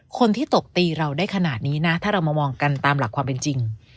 คนที่ตบตีเราได้ขนาดนี้นะถ้าเรามามองกันตามหลักความเป็นจริง